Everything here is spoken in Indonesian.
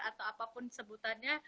atau apapun sebutannya